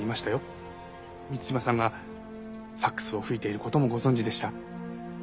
満島さんがサックスを吹いている事もご存じでした。